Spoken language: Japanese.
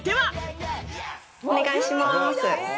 お願いします。